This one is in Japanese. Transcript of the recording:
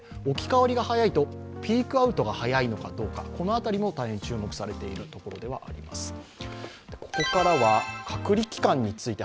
置き換わりが早いとピークアウトが早いのかどうか、この辺りも大変注目されているところであります。